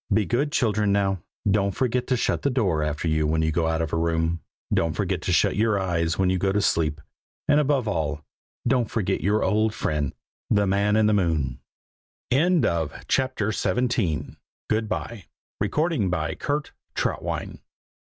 Be good children, now! don't forget to shut the door after you when you go out of a room; don't forget to shut your eyes when you go to sleep; and above all, don't forget your old friend, THE MAN IN THE MOON Transcriber's Notes: Obvious punctuation errors repaired.